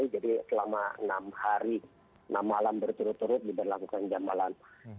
selama enam hari enam malam berturut turut diberlakukan jam malam